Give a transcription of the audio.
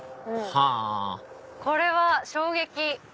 はぁこれは衝撃！